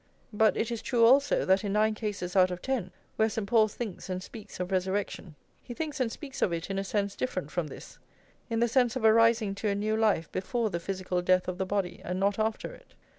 But it is true, also, that in nine cases out of ten where St. Paul thinks and speaks of resurrection, he thinks and speaks of it in a sense different from this; in the sense of a rising to a new life before the physical death of the body, and not after it.